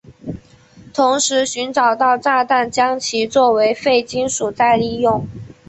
同时寻找到的炸弹将其作为废金属再利用。